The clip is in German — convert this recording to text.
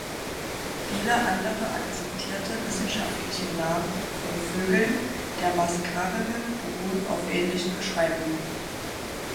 Viele andere akzeptierte wissenschaftliche Namen von Vögeln der Maskarenen beruhen auf ähnlichen Beschreibungen.